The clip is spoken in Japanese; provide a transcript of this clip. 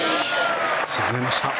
沈めました。